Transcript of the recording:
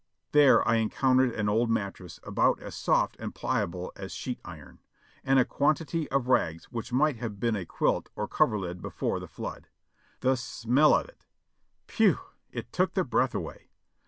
There I encountered an old mattress about as soft and pliable as sheet iron, and a quantity of rags which might have been a quilt or coverlid before the flood. The smell of it! Pau! it took the breath away.